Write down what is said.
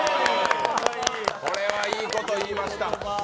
これはいいこと言いました。